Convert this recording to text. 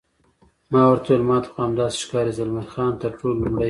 ما ورته وویل: ما ته خو همداسې ښکاري، زلمی خان: تر ټولو لومړی.